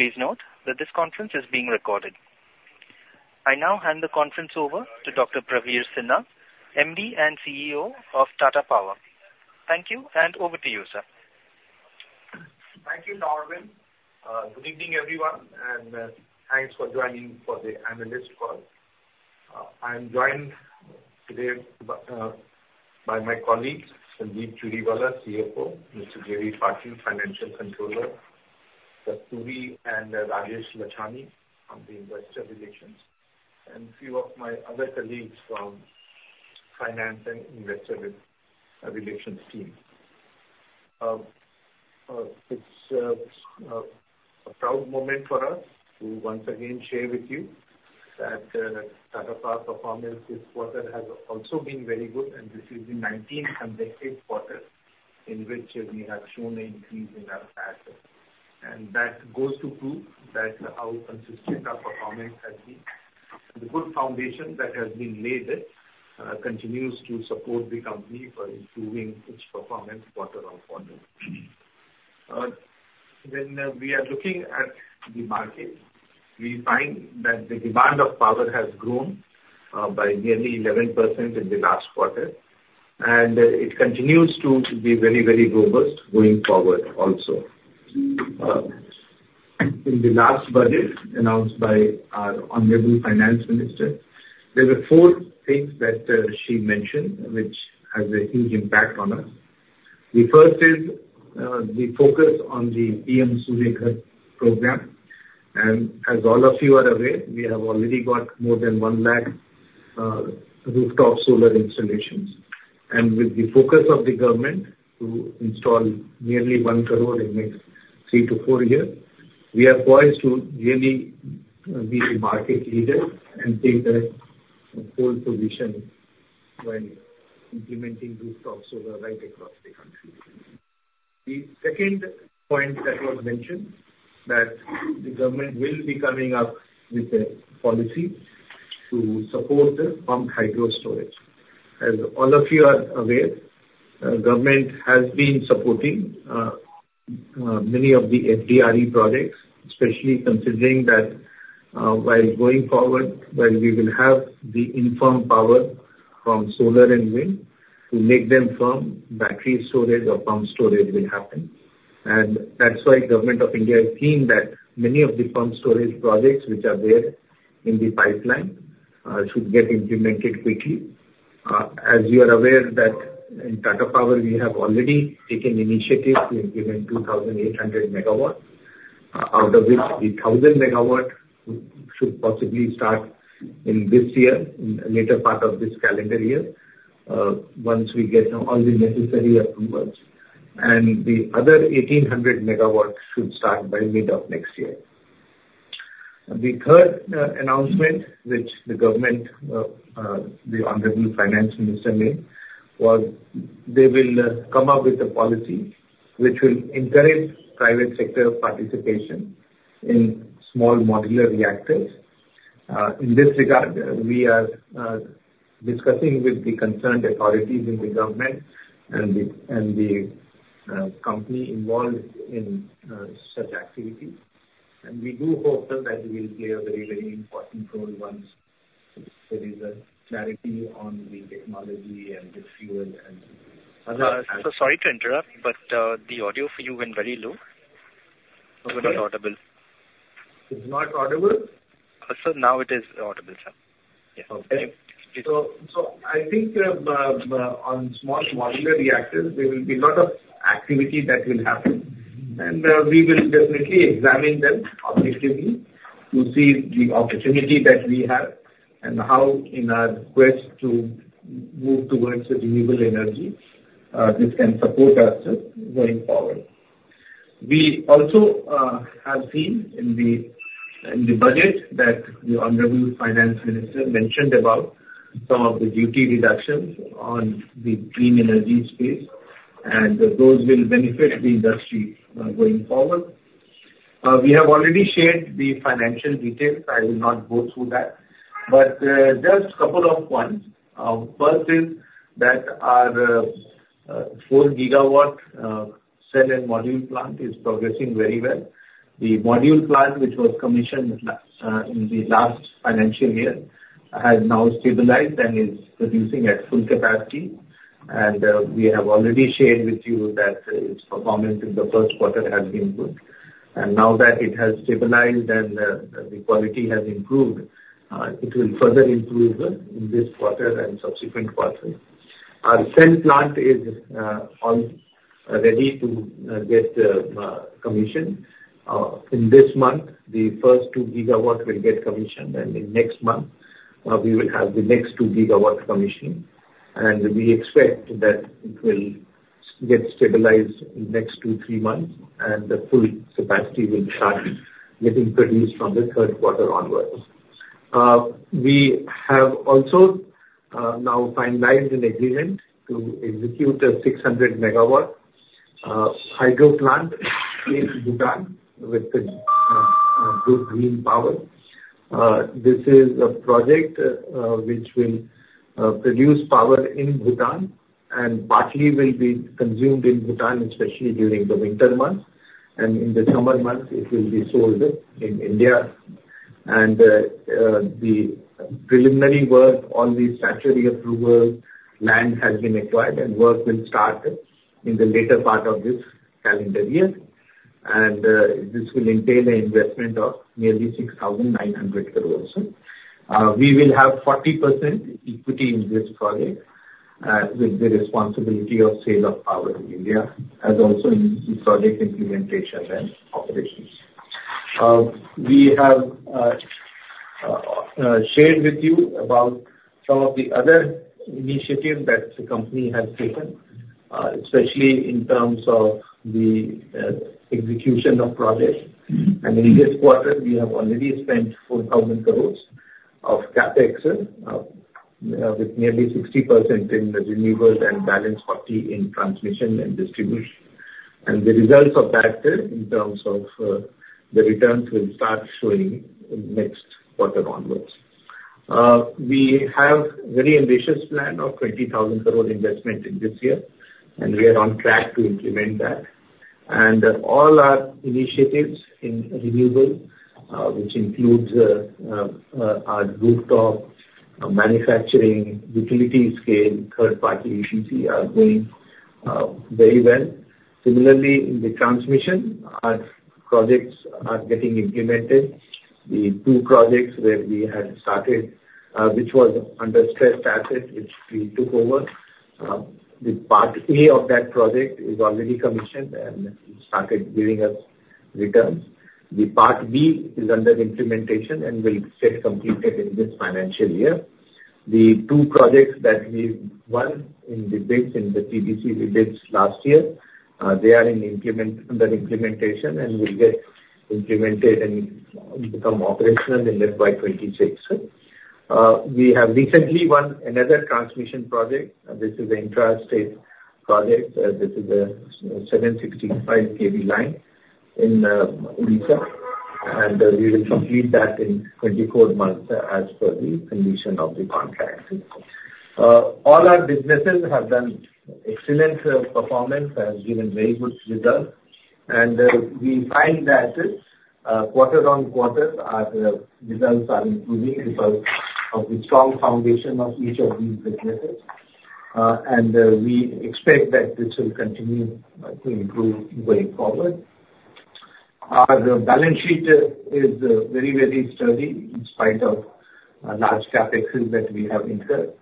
Please note that this conference is being recorded. I now hand the conference over to Dr. Praveer Sinha, MD and CEO of Tata Power. Thank you, and over to you, sir. Thank you, Norman. Good evening, everyone, and thanks for joining for the analyst call. I'm joined today by my colleagues, Sanjeev Churiwala, CFO, Mr. J.V. Patil, Financial Controller, Kasturi Shetty and Rajesh Lachhani from the investor relations, and a few of my other colleagues from Finance and Investor Relations team. It's a proud moment for us to once again share with you that Tata Power performance this quarter has also been very good, and this is the nineteenth consecutive quarter in which we have shown an increase in our EBITDA. That goes to prove that how consistent our performance has been. The good foundation that has been laid continues to support the company for improving its performance quarter on quarter. When we are looking at the market, we find that the demand of power has grown by nearly 11% in the last quarter, and it continues to be very, very robust going forward also. In the last budget announced by our Honorable Finance Minister, there were four things that she mentioned, which has a huge impact on us. The first is the focus on the PM Surya Ghar program. As all of you are aware, we have already got more than 100,000 rooftop solar installations. With the focus of the government to install nearly 10,000,000 in next three to four years, we are poised to really be the market leader and take a pole position when implementing rooftop solar right across the country. The second point that was mentioned, that the government will be coming up with a policy to support the pumped hydro storage. As all of you are aware, government has been supporting many of the FDRE projects, especially considering that, while going forward, while we will have the intermittent power from solar and wind, to make them firm, battery storage or pumped storage will happen. And that's why Government of India is seeing that many of the pumped storage projects which are there in the pipeline should get implemented quickly. As you are aware, that in Tata Power, we have already taken initiative to implement 2,800 MW, out of which the 1,000 MW should possibly start in this year, in the later part of this calendar year, once we get all the necessary approvals. And the other 1,800 MW should start by mid of next year. The third announcement which the government, the Honorable Finance Minister made, was they will come up with a policy which will encourage private sector participation in small modular reactors. In this regard, we are discussing with the concerned authorities in the government and the company involved in such activities. And we do hope that we will play a very, very important role once there is a clarity on the technology and the fuel and other- Sir, sorry to interrupt, but the audio for you went very low. Okay. It's not audible. It's not audible? Sir, now it is audible, sir. Yeah. Okay. So I think on small modular reactors, there will be a lot of activity that will happen, and we will definitely examine them objectively to see the opportunity that we have and how in our quest to move towards renewable energy, this can support us going forward. We also have seen in the budget that the Honorable Finance Minister mentioned about some of the duty reductions on the clean energy space, and those will benefit the industry going forward. We have already shared the financial details. I will not go through that. But just a couple of points. First is that our 4 GW cell and module plant is progressing very well. The module plant, which was commissioned in the last financial year, has now stabilized and is producing at full capacity. We have already shared with you that its performance in the Q1 has been good. Now that it has stabilized and the quality has improved, it will further improve in this quarter and subsequent quarters. Our cell plant is ready to get commissioned. In this month, the first 2 GW will get commissioned, and in next month, we will have the next 2 GW commissioned. We expect that it will get stabilized in next 2 to 3 months, and the full capacity will start getting produced from the Q3 onwards. We have also now finalized an agreement to execute a 600 MW hydro plant in Bhutan with Druk Green Power Corporation. This is a project which will produce power in Bhutan, and partly will be consumed in Bhutan, especially during the winter months, and in the summer months, it will be sold in India. The preliminary work on the statutory approval, land has been acquired and work will start in the later part of this calendar year. This will entail an investment of nearly 6,900 crore. We will have 40% equity in this project, with the responsibility of sale of power in India, and also in project implementation and operations. We have shared with you about some of the other initiatives that the company has taken, especially in terms of the execution of projects. In this quarter, we have already spent 4,000 crore of CapEx, with nearly 60% in renewables and balance 40% in transmission and distribution. The results of that, in terms of the returns, will start showing next quarter onwards. We have very ambitious plan of 20,000 crore investment in this year, and we are on track to implement that. All our initiatives in renewable, which includes our rooftop manufacturing, utility scale, third party EPC, are going very well. Similarly, in the transmission, our projects are getting implemented. The two projects where we had started, which was under stressed assets, which we took over, the part A of that project is already commissioned and started giving us returns. The part B is under implementation and will get completed in this financial year. The two projects that we won in the bids, in the TBCB bids last year, they are under implementation and will get implemented and become operational in mid-FY26. We have recently won another transmission project. This is an intrastate project. This is a 765 KV line in Odisha, and we will complete that in 24 months, as per the condition of the contract. All our businesses have done excellent performance and given very good results. And we find that quarter-on-quarter, our results are improving because of the strong foundation of each of these businesses. And we expect that this will continue to improve going forward. Our balance sheet is very, very sturdy in spite of large CapEx that we have incurred.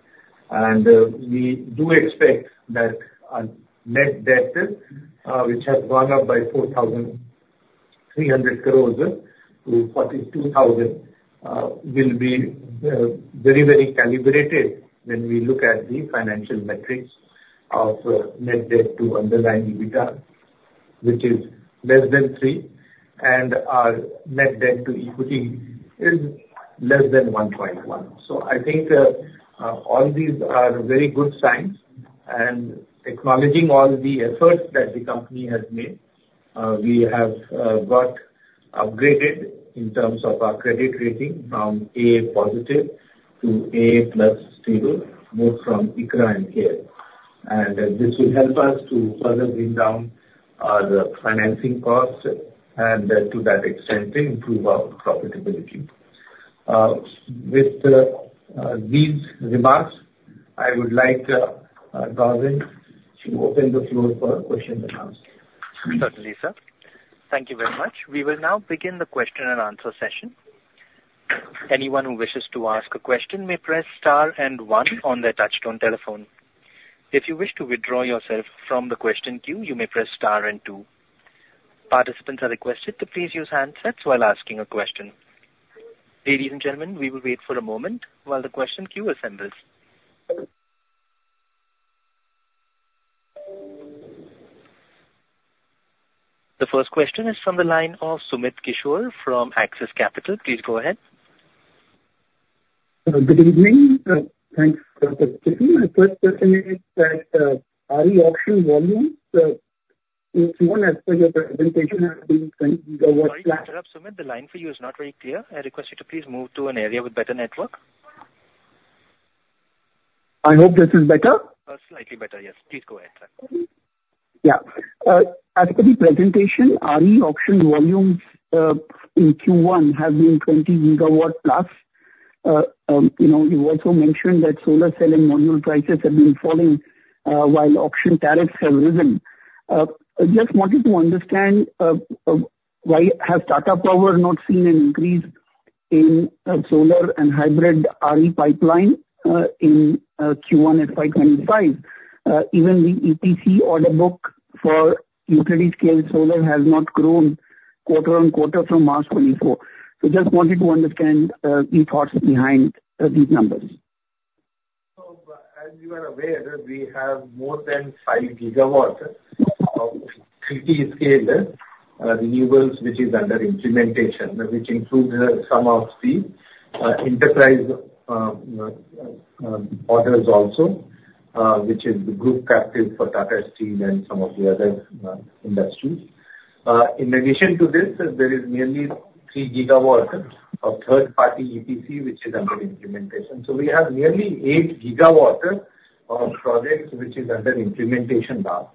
And we do expect that our net debt, which has gone up by 4,300 crores to 42,000 crores, will be very, very calibrated when we look at the financial metrics of net debt to underlying EBITDA, which is less than 3, and our net debt to equity is less than 1.1. So I think all these are very good signs, and acknowledging all the efforts that the company has made, we have got upgraded in terms of our credit rating from AA positive to AA+ stable, both from ICRA and CARE. And this will help us to further bring down our financing costs, and to that extent, improve our profitability. With these remarks, I would like Arvind to open the floor for questions and answers. Certainly, sir. Thank you very much. We will now begin the question and answer session. Anyone who wishes to ask a question may press star and one on their touchtone telephone. If you wish to withdraw yourself from the question queue, you may press star and two. Participants are requested to please use handsets while asking a question. Ladies and gentlemen, we will wait for a moment while the question queue assembles. The first question is from the line of Sumit Kishore from Axis Capital. Please go ahead. Good evening. Thanks for the... My first question is that RE auction volumes in Q1, as per your presentation, have been... Sorry to interrupt, Sumit. The line for you is not very clear. I request you to please move to an area with better network. I hope this is better. Slightly better, yes. Please go ahead, sir. Yeah. As per the presentation, RE auction volumes in Q1 have been 20 GW plus. You know, you also mentioned that solar cell and module prices have been falling while auction tariffs have risen. I just wanted to understand why has Tata Power not seen an increase in solar and hybrid RE pipeline in Q1 at FY 2025? Even the EPC order book for utility-scale solar has not grown quarter-on-quarter from March 2024. So just wanted to understand the thoughts behind these numbers. So, as you are aware, we have more than 5 GW of utility-scale renewables, which is under implementation, which includes some of the enterprise orders also, which is the group captive for Tata Steel and some of the other industries. In addition to this, there is nearly 3 GW of third-party EPC, which is under implementation. So we have nearly 8 GW of projects which is under implementation now.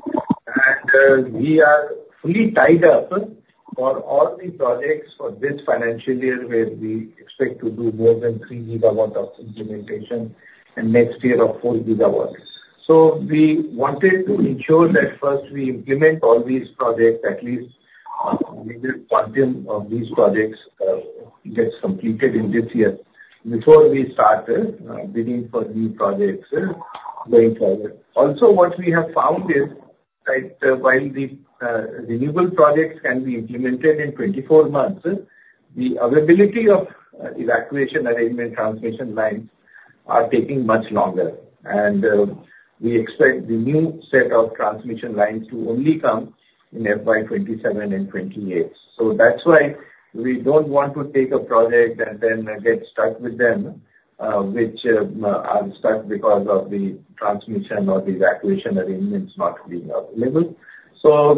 And, we are fully tied up for all the projects for this financial year, where we expect to do more than 3 GW of implementation, and next year of 4 GW. So we wanted to ensure that first we implement all these projects, at least part of these projects gets completed in this year before we start bidding for new projects going forward. Also, what we have found is that while the renewable projects can be implemented in 24 months, the availability of evacuation arrangement transmission lines are taking much longer. And we expect the new set of transmission lines to only come in FY 2027 and 2028. So that's why we don't want to take a project and then get stuck with them, which are stuck because of the transmission or the evacuation arrangements not being available. So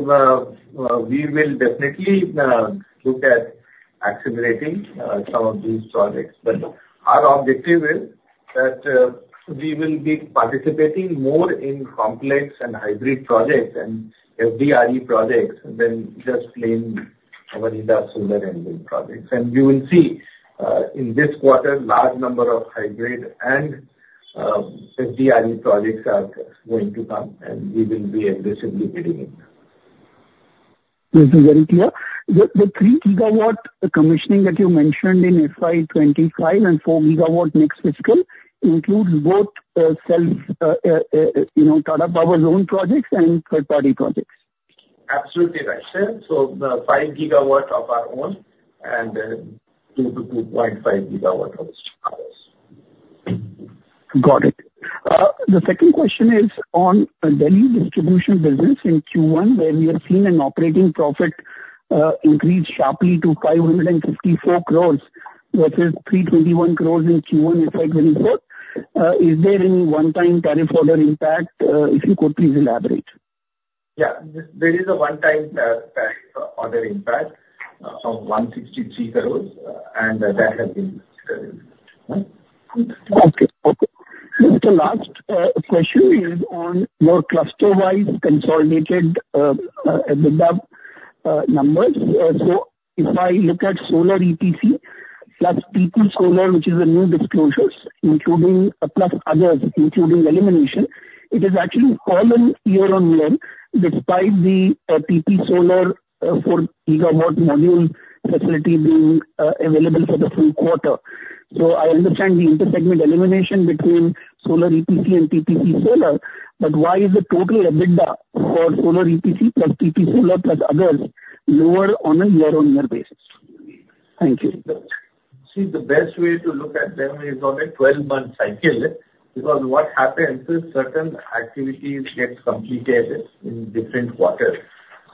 we will definitely look at accelerating some of these projects. But our objective is that we will be participating more in complex and hybrid projects and FDRE projects than just plain vanilla solar energy projects. And you will see in this quarter, large number of hybrid and FDRE projects are going to come, and we will be aggressively bidding in. This is very clear. The three GW commissioning that you mentioned in FY25 and 4 GW next fiscal includes both self, you know, Tata Power own projects and third-party projects? Absolutely right, sir. So, 5 GW of our own and 2 to 2.5 GW of others. Got it. The second question is on Delhi distribution business in Q1, where we have seen an operating profit increase sharply to 554 crore, versus 321 crore in Q1 FY 2024. Is there any one-time tariff order impact? If you could please elaborate. Yeah. There is a one-time tariff order impact of 163 crore, and that has been... Okay. Okay. The last question is on your cluster-wise consolidated EBITDA numbers. So if I look at solar EPC, plus TP Solar, which is a new disclosures, including plus others, including elimination, it is actually fallen year-on-year, despite the TP Solar 4 GW module facility being available for the full quarter. So I understand the intersegment elimination between solar EPC and TP Solar, but why is the total EBITDA for solar EPC plus TP Solar plus others, lower on a year-on-year basis? Thank you. See, the best way to look at them is on a 12-month cycle, because what happens is certain activities get completed in different quarters.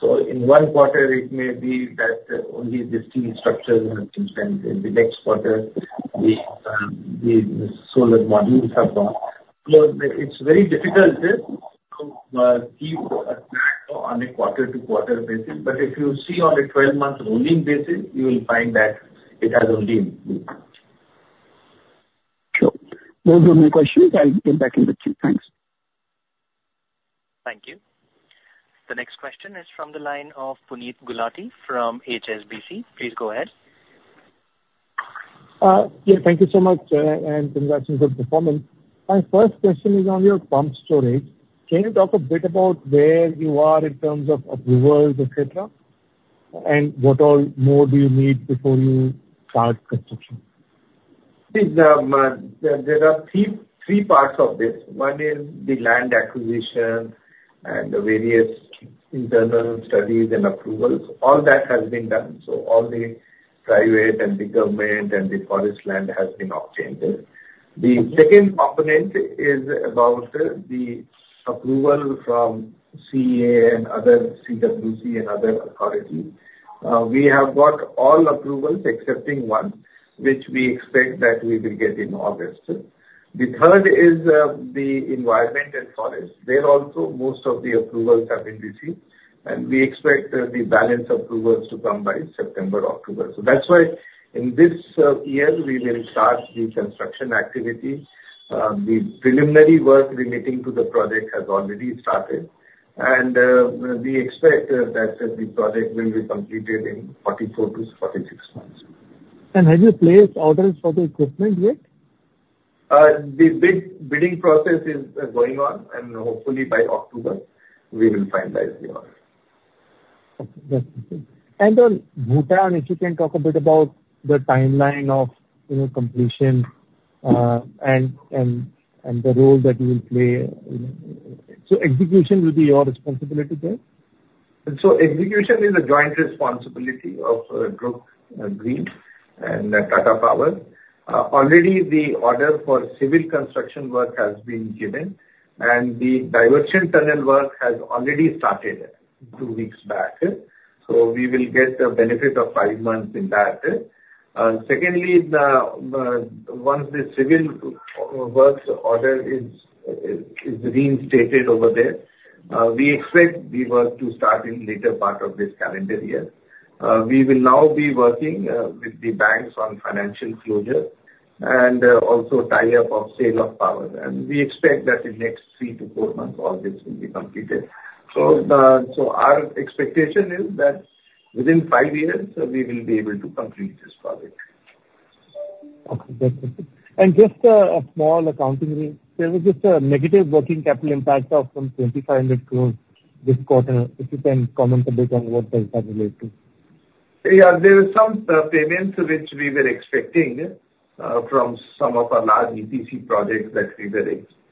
So in one quarter, it may be that only the steel structures have been done. In the next quarter, the solar modules are done. So it's very difficult to keep a track on a quarter-to-quarter basis, but if you see on a 12-month rolling basis, you will find that it has only improved. Sure. Those were my questions. I'll get back in with you. Thanks. Thank you. The next question is from the line of Puneet Gulati from HSBC. Please go ahead. Yeah, thank you so much, and congratulations on performance. My first question is on your pumped storage. Can you talk a bit about where you are in terms of approvals, et cetera, and what all more do you need before you start construction? See, there are three parts of this. One is the land acquisition and the various internal studies and approvals. All that has been done. So all the private and the government and the forest land has been obtained. The second component is about the approval from CEA and other CWC and other authorities. We have got all approvals accepting one, which we expect that we will get in August. The third is, the environment and forest. There also, most of the approvals have been received, and we expect, the balance approvals to come by September, October. So that's why in this, year, we will start the construction activity. The preliminary work relating to the project has already started, and, we expect, that the project will be completed in 44-46 months. Have you placed orders for the equipment yet? The bidding process is going on, and hopefully by October we will finalize the order. Okay. That's okay. And on Bhutan, if you can talk a bit about the timeline of, you know, completion, and the role that you will play. So execution will be your responsibility there? And so execution is a joint responsibility of Druk Green and Tata Power. Already the order for civil construction work has been given, and the diversion tunnel work has already started 2 weeks back. So we will get the benefit of 5 months in that. Secondly, once the civil works order is reinstated over there, we expect the work to start in later part of this calendar year. We will now be working with the banks on financial closure and also tie up of sale of power. And we expect that in next 3-4 months, all this will be completed. So our expectation is that within 5 years, we will be able to complete this project. Okay, that's it. And just, a small accounting thing. There was just a negative working capital impact of some 2,500 crore this quarter. If you can comment a bit on what does that relate to? Yeah, there were some payments which we were expecting from some of our large EPC projects that we were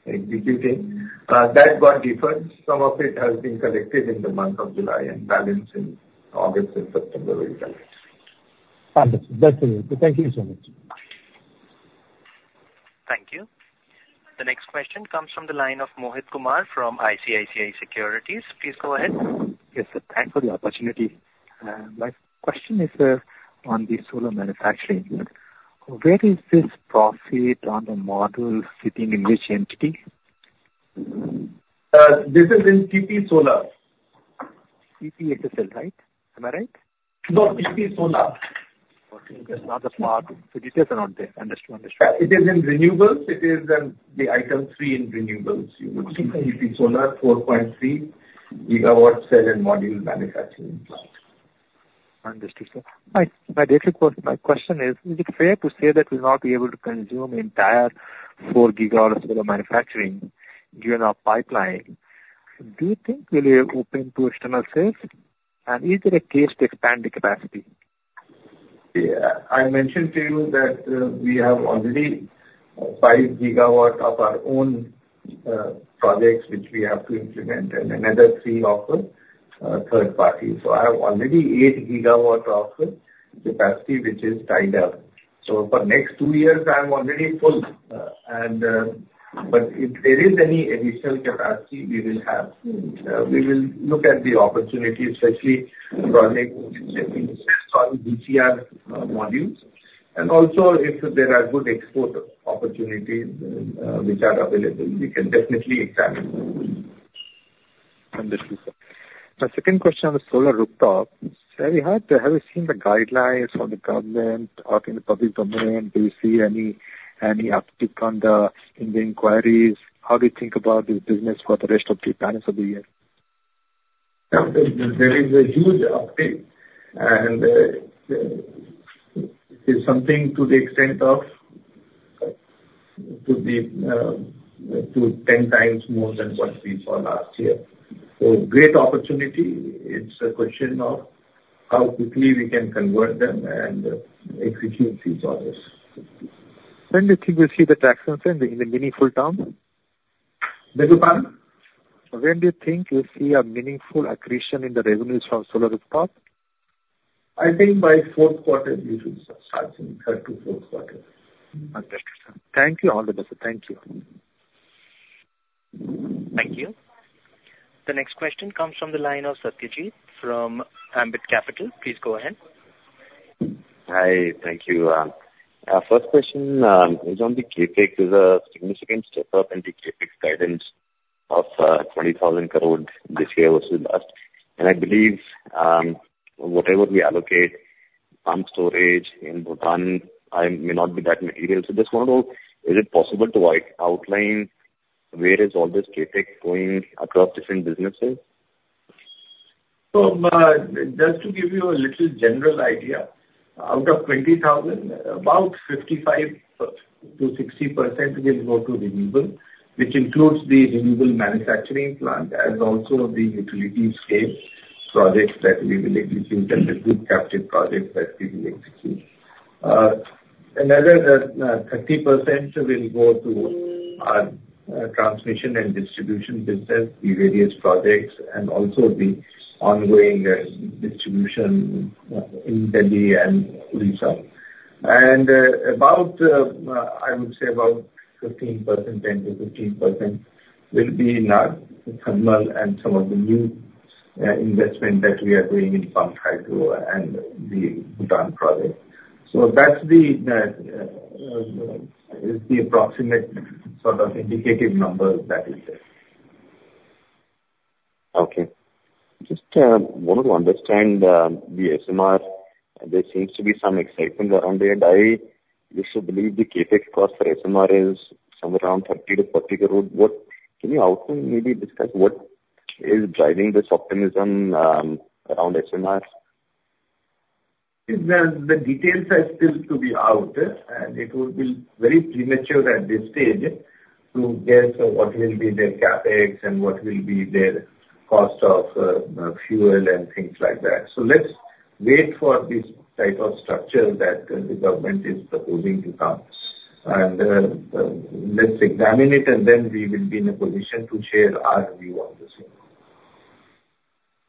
executing. That got deferred. Some of it has been collected in the month of July, and balance in August and September will be collected. Understood. That's it. Thank you so much. Thank you. The next question comes from the line of Mohit Kumar from ICICI Securities. Please go ahead. Yes, sir. Thank you for the opportunity. My question is on the solar manufacturing. Where is this profit on the module sitting in which entity? This is in TP Solar. TPSSL, right? Am I right? No, TP Solar. Okay, that's not the part. So details are not there. Understood. Understood. It is in renewables. It is in the item three in renewables. You would see TP Solar, 4.3 GW cell and module manufacturing plant. Understood, sir. My basic question is, is it fair to say that we'll not be able to consume entire 4 GW solar manufacturing, given our pipeline? Do you think we'll be open to external sales, and is there a case to expand the capacity? Yeah, I mentioned to you that we have already 5 GW of our own projects, which we have to implement, and another 3 of third party. So I have already 8 GW of capacity, which is tied up. So for next 2 years, I am already full. But if there is any additional capacity we will have, we will look at the opportunity, especially for next, on DCR modules. And also, if there are good export opportunities which are available, we can definitely expand. Understood, sir. My second question on the solar rooftop. So, have you seen the guidelines from the government or in the public domain? Do you see any uptick in the inquiries? How do you think about this business for the rest of the balance of the year? There is a huge uptake, and it's something to the extent of 10 times more than what we saw last year. So great opportunity. It's a question of how quickly we can convert them and execute these orders. When do you think you'll see the traction in the meaningful terms? I beg your pardon? When do you think you'll see a meaningful accretion in the revenues from solar rooftop? I think by Q4, we should start seeing, third to Q4. Understood, sir. Thank you. All the best, sir. Thank you. Thank you. The next question comes from the line of Satyadeep from Ambit Capital. Please go ahead. Hi. Thank you. Our first question is on the CapEx. There's a significant step up in the CapEx guidance of 20,000 crore this year versus last. And I believe whatever we allocate, pumped storage in Bhutan may not be that material. So just want to know, is it possible to outline where is all this CapEx going across different businesses? So, just to give you a little general idea, out of 20,000 crore, about 55%-60% will go to renewable, which includes the renewable manufacturing plant and also the utility scale projects that we will execute and the group captive projects that we will execute. Another 30% will go to our transmission and distribution business, the various projects, and also the ongoing distribution in Delhi and Odisha. And about, I would say, about 15%, 10%-15% will be in our thermal and some of the new investment that we are doing in pumped hydro and the Bhutan project. So that's the approximate sort of indicative number that is there. Okay. Just wanted to understand the SMR. There seems to be some excitement around it, and I also believe the CapEx cost for SMR is somewhere around 30 crore-40 crore. What... Can you outline, maybe discuss what is driving this optimism around SMR? The details are still to be out, and it would be very premature at this stage to guess what will be their CapEx and what will be their cost of fuel and things like that. So let's wait for this type of structure that the government is proposing to come, and let's examine it, and then we will be in a position to share our view on the same.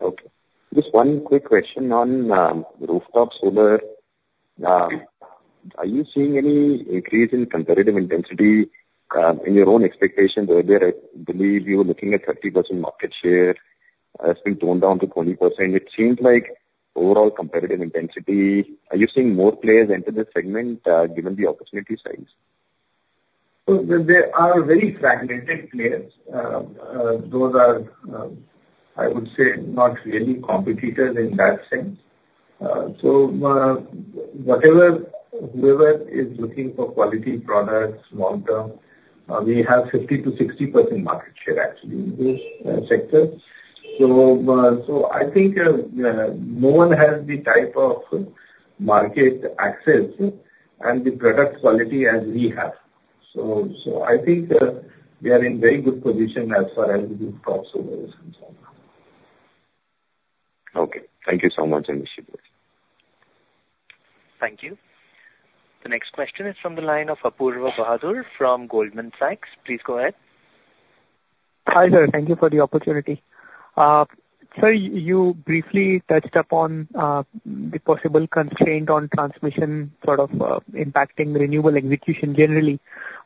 Okay. Just one quick question on rooftop solar? are you seeing any increase in competitive intensity in your own expectations? Earlier, I believe you were looking at 30% market share, it's been toned down to 20%. It seems like overall competitive intensity. Are you seeing more players enter this segment, given the opportunity size? So there, there are very fragmented players. Those are, I would say not really competitors in that sense. So, whatever, whoever is looking for quality products long term, we have 50%-60% market share actually in this sector. So, so I think, no one has the type of market access and the product quality as we have. So, so I think, we are in very good position as far as the crossover is concerned. Okay, thank you so much, I appreciate it. Thank you. The next question is from the line of Apoorva Bahadur from Goldman Sachs. Please go ahead. Hi, sir, thank you for the opportunity. Sir, you briefly touched upon the possible constraint on transmission sort of impacting renewable execution generally.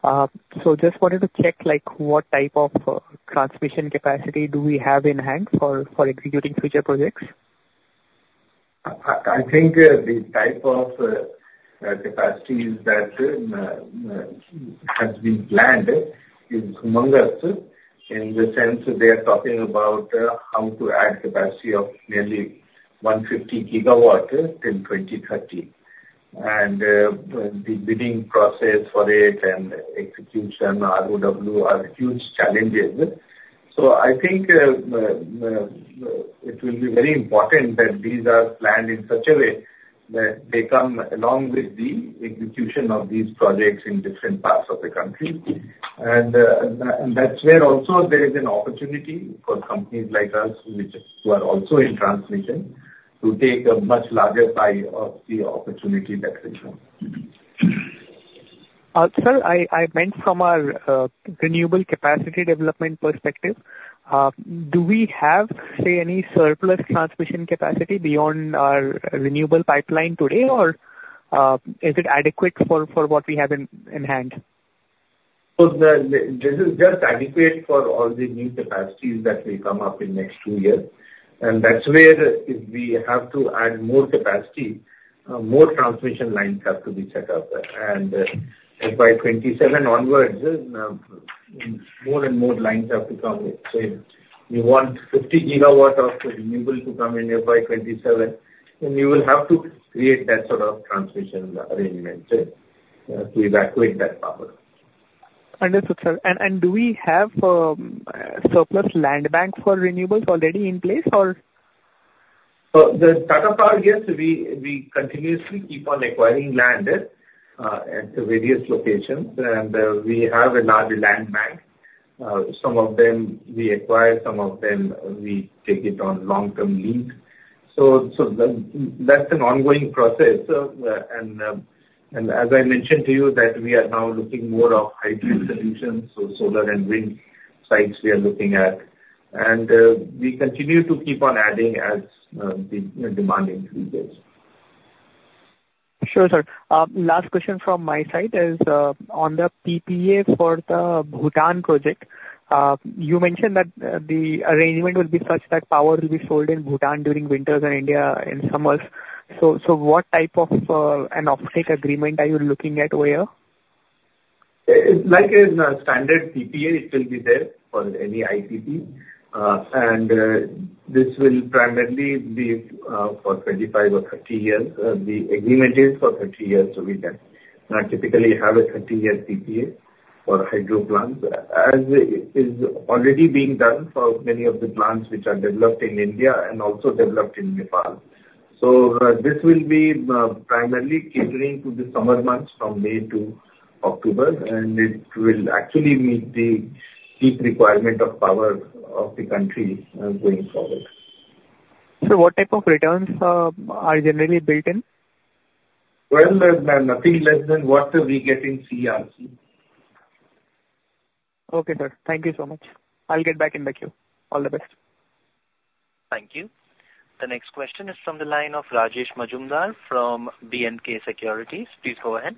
So just wanted to check, like, what type of transmission capacity do we have in hand for executing future projects? I think the type of capacity that has been planned is humongous, in the sense they are talking about how to add capacity of nearly 150 GW till 2030. And that's where also there is an opportunity for companies like us, which are also in transmission, to take a much larger pie of the opportunity that is there. Sir, I meant from a renewable capacity development perspective, do we have, say, any surplus transmission capacity beyond our renewable pipeline today? Or, is it adequate for what we have in hand? This is just adequate for all the new capacities that will come up in next two years. And that's where if we have to add more capacity, more transmission lines have to be set up. And by 2027 onwards, more and more lines have to come in. So you want 50 GW of renewable to come in here by 2027, then you will have to create that sort of transmission arrangement to evacuate that power. Understood, sir. Do we have surplus land banks for renewables already in place, or? So, yes, we continuously keep on acquiring land at various locations, and we have a large land bank. Some of them we acquire, some of them we take it on long-term lease. So that's an ongoing process. And as I mentioned to you, that we are now looking more of hybrid solutions, so solar and wind sites we are looking at. And we continue to keep on adding as the demand increases. Sure, sir. Last question from my side is on the PPA for the Bhutan project. You mentioned that the arrangement will be such that power will be sold in Bhutan during winters and India in summers. So, so what type of an offtake agreement are you looking at over here? Like in a standard PPA, it will be there for any IPP. And, this will primarily be for 25 or 30 years. The agreement is for 30 years with them. Now, typically, you have a 30-year PPA for hydro plants, as is already being done for many of the plants which are developed in India and also developed in Nepal. So, this will be primarily catering to the summer months from May to October, and it will actually meet the peak requirement of power of the country, going forward. What type of returns are generally built in? Well, nothing less than what we get in CERC. Okay, sir. Thank you so much. I'll get back in the queue. All the best. Thank you. The next question is from the line of Rajesh Majumdar from B&K Securities. Please go ahead.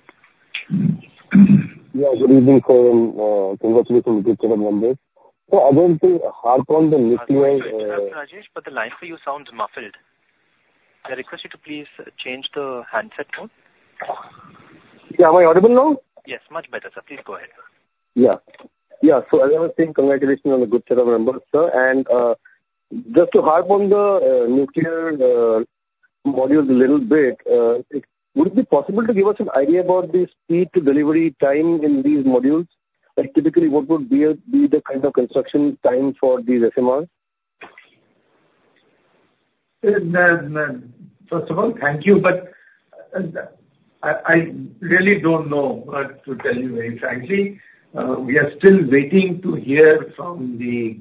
Yeah, good evening, sir, and congratulations on the good set of numbers. So I want to harp on the nuclear... I'm sorry to interrupt, Rajesh, but the line for you sounds muffled. I request you to please change the handset mode. Yeah. Am I audible now? Yes, much better, sir. Please go ahead. Yeah. Yeah. So I want to say congratulations on the good set of numbers, sir. And, just to harp on the nuclear modules a little bit, would it be possible to give us an idea about the speed to delivery time in these modules? Like, typically, what would be the kind of construction time for these SMRs? First of all, thank you. But I really don't know what to tell you very frankly. We are still waiting to hear from the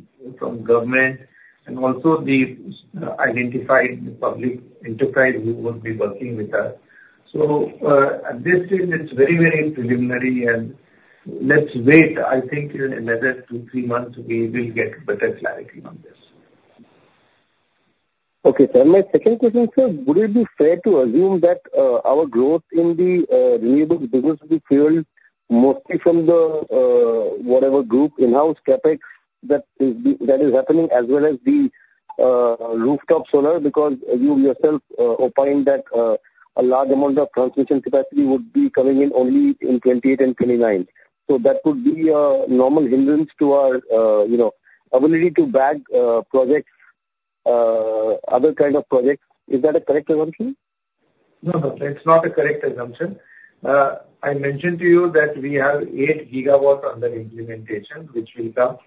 government and also the identified public enterprise who would be working with us. So, at this stage, it's very, very preliminary, and let's wait. I think in another two, three months, we will get better clarity on this.... Okay, sir. My second question, sir, would it be fair to assume that, our growth in the, renewable business will be fueled mostly from the, whatever group in-house CapEx that is happening, as well as the, rooftop solar? Because you yourself, opined that, a large amount of transmission capacity would be coming in only in 2028 and 2029. So that could be a normal hindrance to our, you know, ability to bag, projects, other kind of projects. Is that a correct assumption? No, no, it's not a correct assumption. I mentioned to you that we have 8 GW under implementation, which will come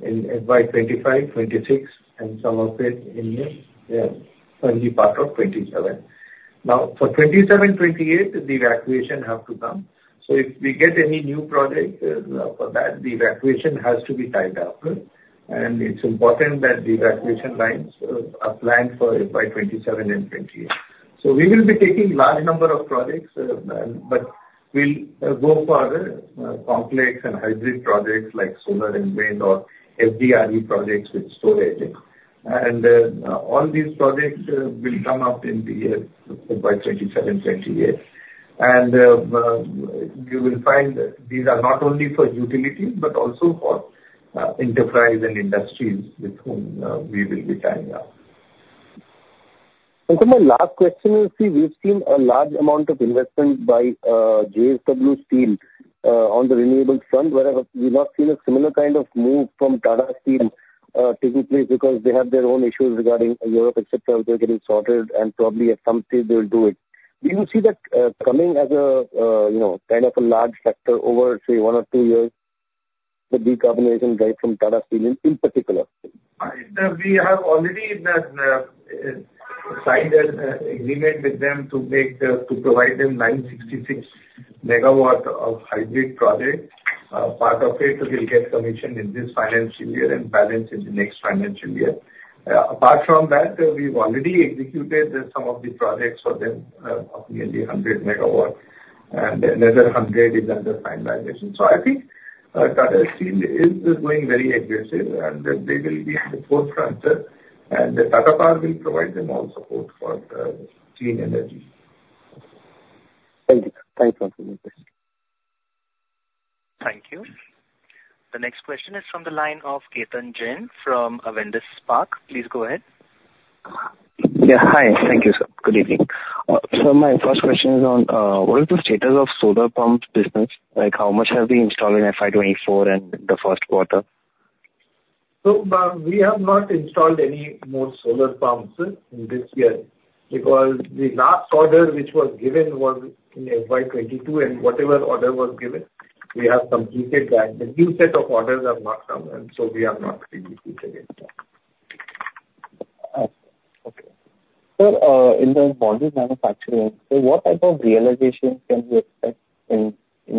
in by 2025, 2026, and some of it in the early part of 2027. Now, for 2027, 2028, the evacuation have to come, so if we get any new project for that, the evacuation has to be tied up, and it's important that the evacuation lines are planned for by 2027 and 2028. So we will be taking large number of projects, but we'll go for complex and hybrid projects like solar and wind or FDRE projects with storage. And all these projects will come up in the year by 2027, 2028. And you will find these are not only for utilities, but also for enterprise and industries with whom we will be tying up. My last question is, see, we've seen a large amount of investment by JSW Steel on the renewables front, wherever we've not seen a similar kind of move from Tata Steel, typically because they have their own issues regarding Europe, et cetera. They're getting sorted and probably at some stage they'll do it. Do you see that coming as a you know, kind of a large factor over, say, one or two years, the decarbonization drive from Tata Steel in particular? We have already signed an agreement with them to make the, to provide them 966 MW of hybrid project. Part of it will get commissioned in this financial year and balance in the next financial year. Apart from that, we've already executed some of the projects for them, of nearly a 100 MW, and another 100 is under finalization. So I think, Tata Steel is, is going very aggressive and they will be in the forefront, and Tata Power will provide them all support for, clean energy. Thank you. Thanks for your question. Thank you. The next question is from the line of Ketan Jain from Avendus Spark. Please go ahead. Yeah. Hi. Thank you, sir. Good evening. So my first question is on, what is the status of solar pumps business? Like, how much have we installed in FY2024 and the Q1? We have not installed any more solar pumps in this year, because the last order, which was given, was in FY 2022, and whatever order was given, we have completed that. The new set of orders have not come, and so we have not really reached again. Okay. Sir, in the modules manufacturing, so what type of realization can we expect in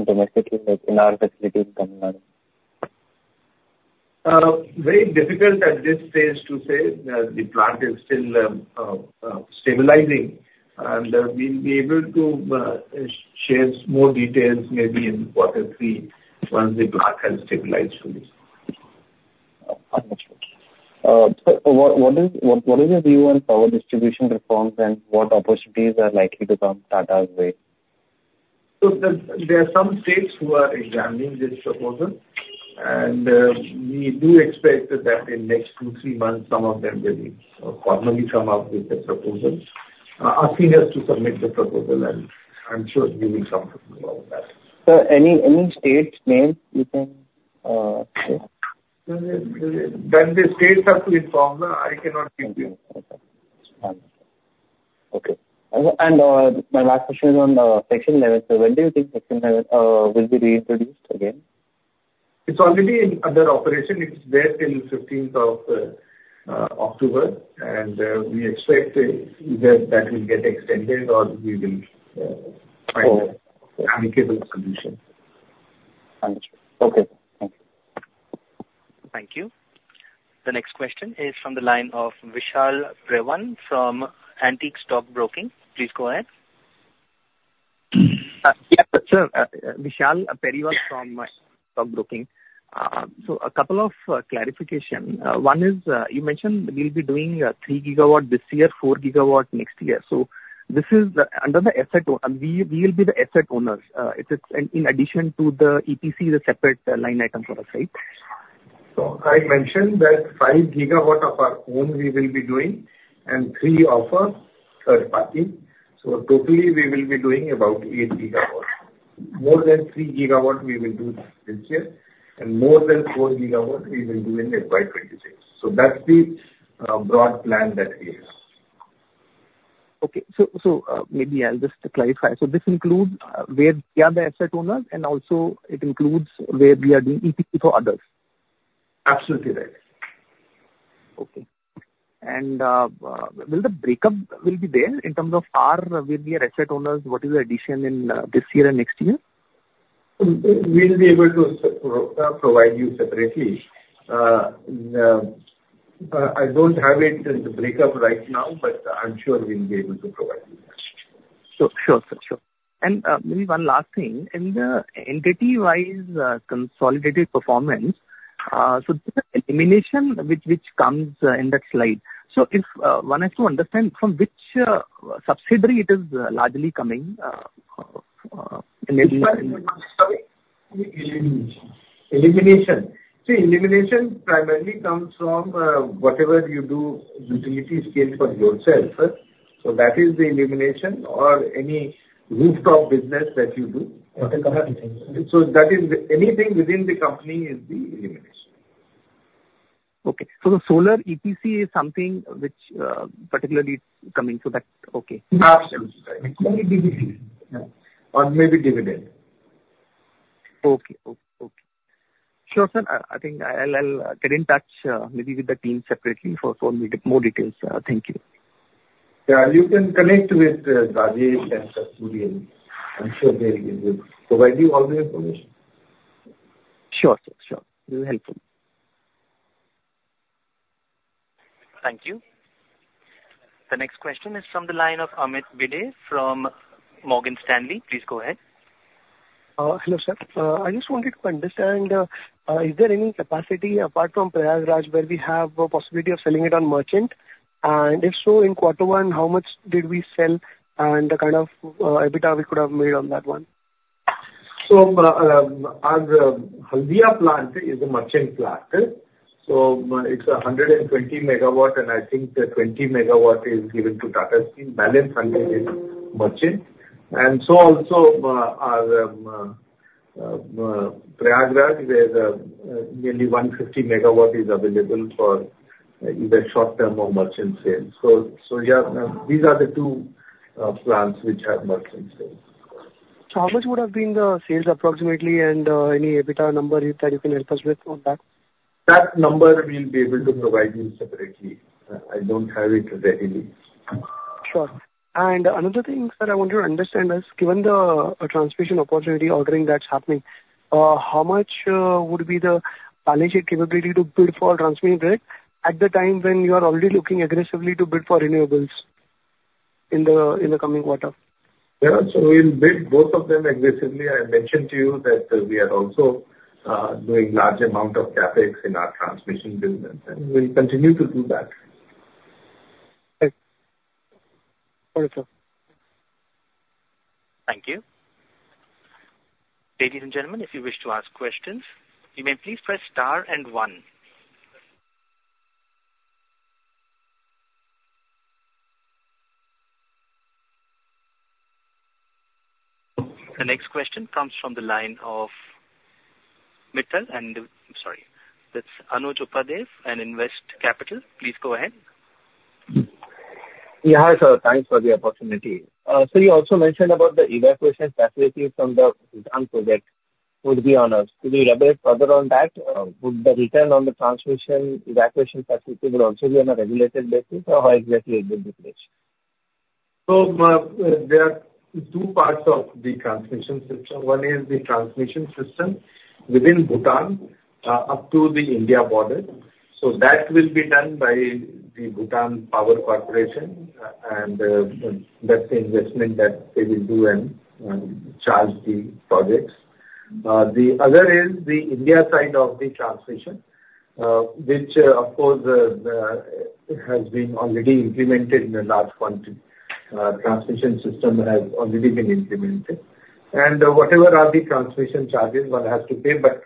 domestically, like, in our facility in Tamil Nadu? Very difficult at this stage to say. The plant is still stabilizing, and we'll be able to share more details maybe in quarter three, once the plant has stabilized fully. Understood. So what is your view on power distribution reforms and what opportunities are likely to come Tata's way? So there are some states who are examining this proposal, and we do expect that in next 2, 3 months, some of them will formally come up with a proposal asking us to submit the proposal, and I'm sure we will come up with all that. Sir, any, any state name you can say? When the states have to inform, I cannot give you. Okay. My last question is on section 11. When do you think section 11 will be reintroduced again? It's already in under operation. It's there till 15 October, and we expect either that will get extended or we will find an amicable solution. Understood. Okay. Thank you. Thank you. The next question is from the line of Vishal Periwal from Antique Stock Broking. Please go ahead. Yeah, sir, Vishal Periwal from Antique Stock Broking. So a couple of clarification. One is, you mentioned we'll be doing 3 GW this year, 4 GW next year. So this is the... Under the asset owner, we, we will be the asset owners. It's, it's in addition to the EPC, the separate line item for us, right? So I mentioned that 5 GW of our own we will be doing, and 3 of a third party, so totally we will be doing about 8 GW. More than 3 GW we will do this year, and more than 4 GW we will do in FY 2026. So that's the broad plan that is. Okay. So, maybe I'll just clarify. So this includes where we are the asset owners, and also it includes where we are doing EPC for others? Absolutely right. Okay. And, will the breakup be there in terms of our, where we are asset owners, what is the addition in, this year and next year? We'll be able to provide you separately. I don't have it, the breakup right now, but I'm sure we'll be able to provide you.... So sure, sir, sure. And maybe one last thing, in the entity-wise consolidated performance, so the elimination which comes in that slide. So if one has to understand from which subsidiary it is largely coming in- Elimination. Elimination. See, elimination primarily comes from whatever you do Utility Scale for yourself, sir. So that is the elimination or any rooftop business that you do. Okay. That is anything within the company is the elimination. Okay, so the solar EPC is something which, particularly coming, so that's okay. Not really, only Dividend, yeah, or maybe dividend. Okay. Okay, okay. Sure, sir, I think I'll get in touch, maybe with the team separately for more details. Thank you. Yeah, you can connect with Rajesh and Kasturi, and I'm sure they will provide you all the information. Sure, sir, sure. It was helpful. Thank you. The next question is from the line of Amit Bhinde from Morgan Stanley. Please go ahead. Hello, sir. I just wanted to understand, is there any capacity apart from Prayagraj, where we have the possibility of selling it on merchant? And if so, in quarter one, how much did we sell and the kind of EBITDA we could have made on that one? Our Haldia plant is a merchant plant. It's 120 MW, and I think the 20 MW is given to Tata Steel. Balance 100 is merchant. And so also, our Prayagraj, where nearly 150 MW is available for either short term or merchant sales. So yeah, these are the two plants which have merchant sales. So how much would have been the sales approximately, and any EBITDA number you that you can help us with on that? That number we'll be able to provide you separately. I don't have it ready. Sure. And another thing, sir, I want to understand is, given the transmission opportunity ordering that's happening, how much would be the balance sheet capability to bid for transmission grid at the time when you are already looking aggressively to bid for renewables in the coming quarter? Yeah, so we'll bid both of them aggressively. I mentioned to you that we are also doing large amount of CapEx in our transmission business, and we'll continue to do that. Thank you. Thank you, sir. Thank you. Ladies and gentlemen, if you wish to ask questions, you may please press star and one. The next question comes from the line of Mittal, and... I'm sorry. It's Anuj Upadhyay and Investec. Please go ahead. Yeah, hi, sir. Thanks for the opportunity. So you also mentioned about the evacuation facilities from the Bhutan project would be on us. Could you elaborate further on that? Would the return on the transmission evacuation facilities would also be on a regulated basis, or how exactly it will be placed? There are two parts of the transmission system. One is the transmission system within Bhutan up to the India border. That will be done by the Bhutan Power Corporation, and that's the investment that they will do and charge the projects. The other is the India side of the transmission, which of course has been already implemented in a large quantity. Transmission system has already been implemented. Whatever are the transmission charges one has to pay, but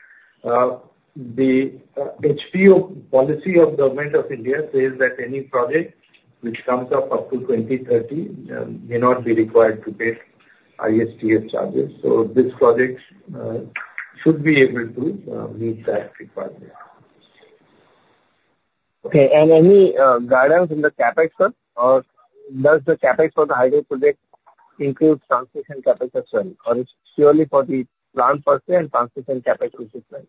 the HPO policy of Government of India says that any project which comes up to 2030 may not be required to pay ISTS charges. This project should be able to meet that requirement. Okay. And any guidance in the CapEx, sir, or does the CapEx for the hydro project include transmission CapEx as well, or it's purely for the plant per se and transmission CapEx is different?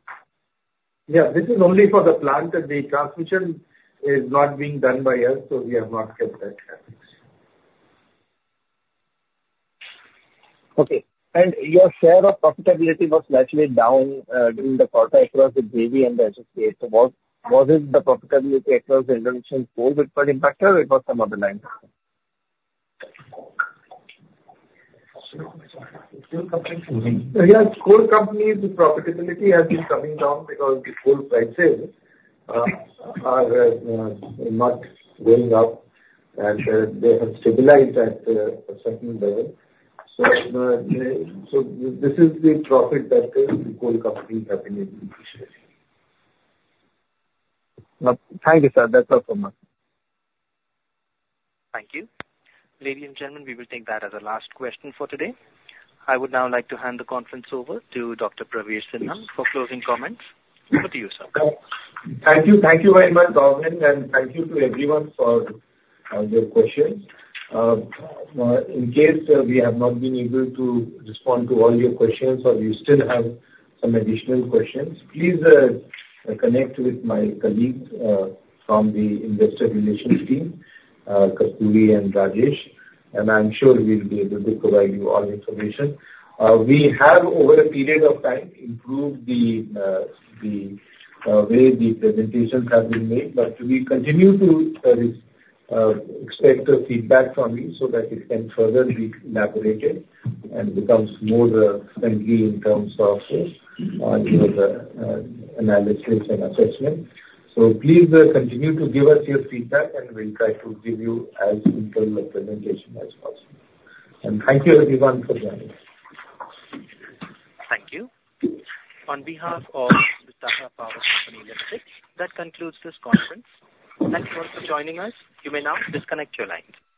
Yeah, this is only for the plant. The transmission is not being done by us, so we have not kept that CapEx. Okay. Your share of profitability was slightly down during the quarter across the JV and the associate. So, what was it, the profitability across the industry in coal, which was impacted, or it was some other line? Yeah, coal company, the profitability has been coming down because the coal prices are not going up, and they have stabilized at a certain level. So, so this, this is the profit that the coal companies have been able to share. Thank you, sir. That's all from us. Thank you. Ladies and gentlemen, we will take that as the last question for today. I would now like to hand the conference over to Dr. Praveer Sinha for closing comments. Over to you, sir. Thank you. Thank you very much, Arvind, and thank you to everyone for your questions. In case we have not been able to respond to all your questions, or you still have some additional questions, please connect with my colleagues from the investor relations team, Kasturi and Rajesh, and I'm sure we'll be able to provide you all the information. We have, over a period of time, improved the way the presentations have been made, but we continue to expect the feedback from you so that it can further be elaborated and becomes more friendly in terms of you know, the analysis and assessment. So please continue to give us your feedback, and we'll try to give you as detailed a presentation as possible. And thank you everyone for joining us. Thank you. On behalf of Tata Power Company Limited, that concludes this conference. Thank you for joining us. You may now disconnect your line.